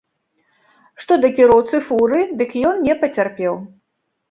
Што да кіроўцы фуры, дык ён не пацярпеў.